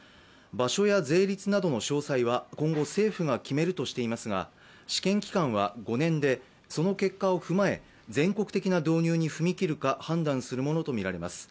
場所や税率などの詳細は今後政府が決めるとしていますが試験期間は５年で、その結果を踏まえ全国的な踏み切るか判断するものとみられます。